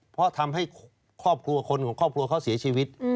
เพราะทำให้ครอบครัวคนของครอบครัวเขาเสียชีวิต